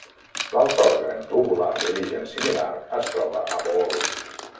L'altre òrgan tubular d'origen similar es troba a Bohol.